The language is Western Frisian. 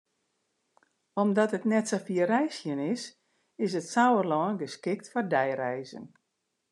Omdat it net sa fier reizgjen is, is it Sauerlân geskikt foar deireizen.